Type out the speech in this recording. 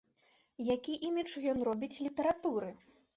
Які імідж ён робіць літаратуры?